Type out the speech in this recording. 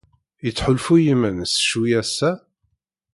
Yettḥulfu i yiman-nnes ccwi ass-a?